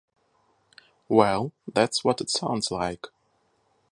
Well, that's what it sounds like.